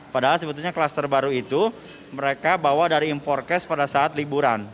padahal sebetulnya kluster baru itu mereka bawa dari impor cash pada saat liburan